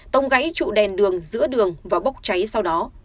tông gãy trụ đèn đường giữa đường và bốc cháy sau đó